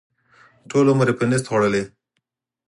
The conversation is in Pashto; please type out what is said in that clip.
ټول عمر یې په نشت خوړلی.